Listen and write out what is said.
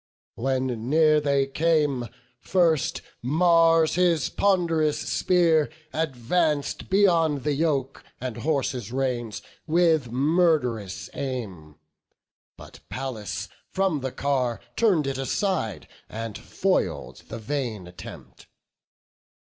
When near they came, first Mars his pond'rous spear Advanc'd beyond the yoke and horses' reins, With murd'rous aim; but Pallas from the car Turn'd it aside, and foil'd the vain attempt.